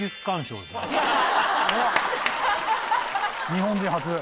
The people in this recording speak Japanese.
日本人初。